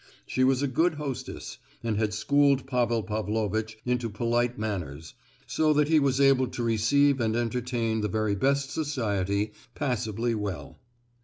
She was a good hostess, and had schooled Pavel Pavlovitch into polite manners, so that he was able to receive and entertain the very best society passably well.